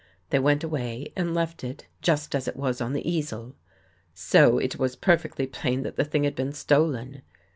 They went away and left it just as it was on the easel. So it was per fectly plain that the thing had been stolen.